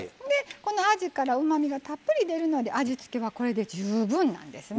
あじから、うまみがたっぷり出るので味付けはこれで十分なんです。